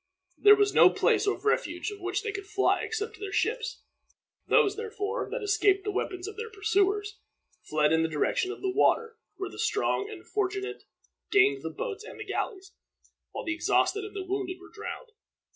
There was no place of refuge to which they could fly except to their ships. Those, therefore, that escaped the weapons of their pursuers, fled in the direction of the water, where the strong and the fortunate gained the boats and the galleys, while the exhausted and the wounded were drowned.